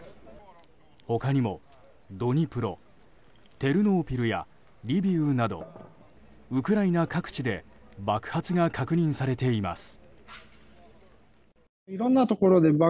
他にもドニプロ、テルノーピルやリビウなどウクライナ各地で爆発が確認されています。